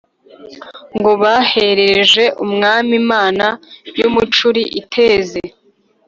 ngo bahereje umwami imana y'umucuri ( iteze ).